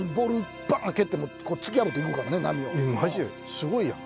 すごいやん。